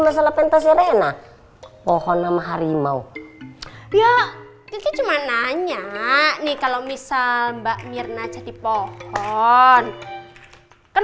kalau pentasirena pohon nama harimau ya cuma nanya nih kalau misal mbak mirna jadi pohon kan